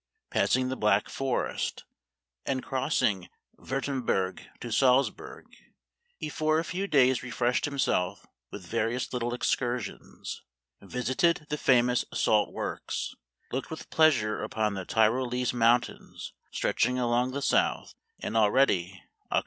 Passing the Black Forest, and crossing Wirtemberg to Saltz burg, he for a few days refreshed himself with various little excursions, visited the famous salt works, looked with pleasure upon the Tyrolese mountains stretching along the south, and al ready (Oct.